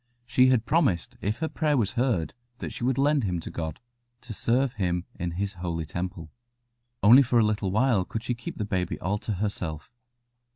She had promised, if her prayer was heard, that she would lend him to God, to serve Him in His Holy Temple. Only for a little while could she keep the baby all to herself.